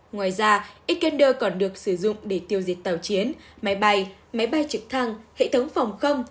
ngoài ra ecender còn được sử dụng để tiêu diệt tàu chiến máy bay máy bay trực thăng hệ thống phòng không